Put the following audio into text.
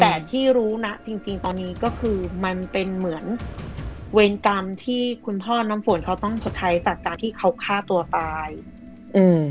แต่ที่รู้นะจริงจริงตอนนี้ก็คือมันเป็นเหมือนเวรกรรมที่คุณพ่อน้ำฝนเขาต้องชดใช้จากการที่เขาฆ่าตัวตายอืม